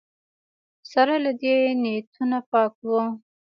سره له دې نیتونه پاک وو